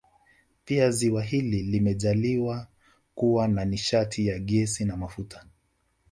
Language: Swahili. Pia ziwa hili limejaaliwa kuwa na nishati ya gesi na mafuta